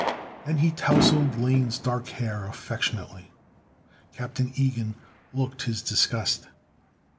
And he towseled Lane's dark hair affectionately. Captain Ilgen looked his disgust.